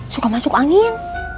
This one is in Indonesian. suka masuk angin